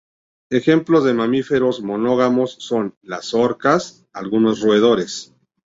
Ejemplos de mamíferos monógamos son: las orcas, algunos roedores.